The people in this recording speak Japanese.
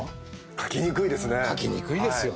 書きにくいですよね。